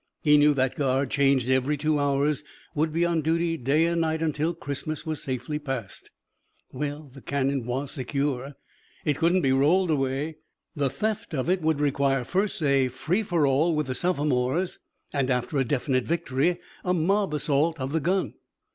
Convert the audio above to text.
He knew that guard, changed every two hours, would be on duty day and night until Christmas was safely passed. Well, the cannon was secure. It couldn't be rolled away. The theft of it would require first a free for all with the sophomores and after a definite victory a mob assault of the gun.